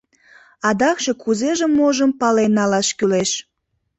— Адакше кузежым-можым пален налаш кӱлеш».